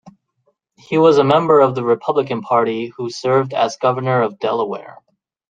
He was a member of the Republican Party who served as Governor of Delaware.